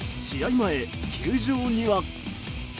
前、球場には。